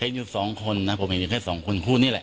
อยู่สองคนนะผมเห็นอยู่แค่สองคนคู่นี่แหละ